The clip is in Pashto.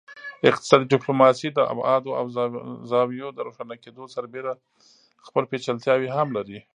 اقتصادي ډیپلوماسي د ابعادو او زاویو د روښانه کیدو سربیره خپل پیچلتیاوې هم لري